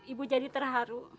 ibu jadi terharu